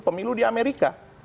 pemilu di amerika